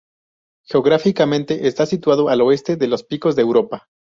Geográficamente está situado al oeste de los Picos de Europa.